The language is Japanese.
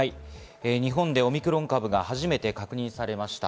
日本でオミクロン株が初めて確認されました。